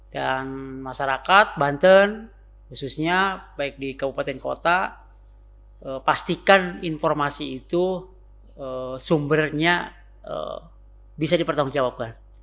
dan masyarakat banten khususnya baik di kabupaten kota pastikan informasi itu sumbernya bisa dipertanggungjawabkan